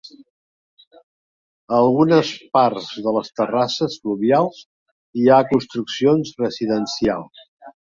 A algunes parts de les terrasses fluvials hi ha construccions residencials.